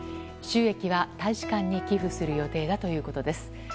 収益は大使館に寄付する予定だということです。